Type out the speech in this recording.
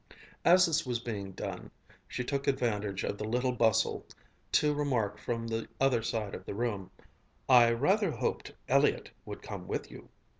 As this was being done, she took advantage of the little bustle to remark from the other side of the room, "I rather hoped Elliott would come with you."